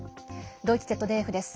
ドイツＺＤＦです。